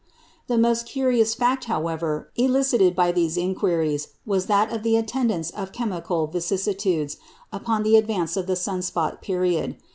The most curious fact, however, elicited by these inquiries was that of the attendance of chemical vicissitudes upon the advance of the sun spot period.